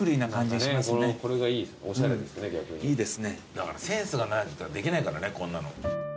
だからセンスがないとできないからねこんなの。